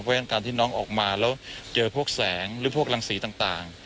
เพราะฉะนั้นการที่น้องออกมาแล้วเจอพวกแสงหรือพวกรังสีต่าง